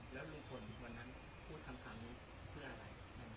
แล้วลุงพลวันนั้นพูดคำนี้เพื่ออะไร